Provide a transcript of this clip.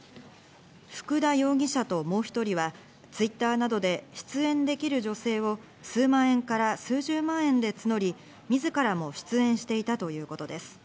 福田容疑者ともう１人はＴｗｉｔｔｅｒなどで出演できる女性を数万円から数十万円で募り、自らも出演していたということです。